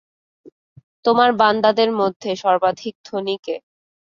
তোমার বান্দাদের মধ্যে সর্বাধিক ধনী কে?